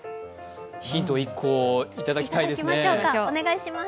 ヒント１個いただきたいですね。